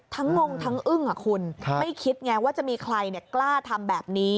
ทั้งงงทั้งอึ้งอ่ะคุณไม่คิดไงว่าจะมีใครเนี่ยกล้าทำแบบนี้